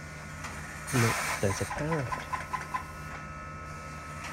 Look there's a parrot.